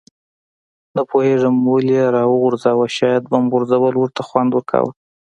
نه پوهېږم ولې یې راوغورځاوه، شاید بم غورځول ورته خوند ورکاوه.